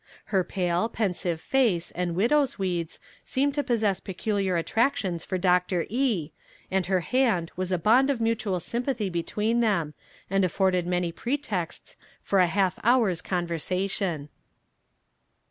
Her pale, pensive face and widow's weeds seemed to possess peculiar attractions for Doctor E., and her hand was a bond of mutual sympathy between them, and afforded many pretexts for a half hour's conversation.